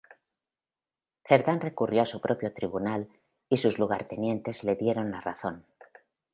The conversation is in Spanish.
Cerdán recurrió a su propio tribunal y sus lugartenientes le dieron la razón.